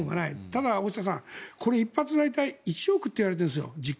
ただ、大下さん、これ１発大体１億円といわれてるんです。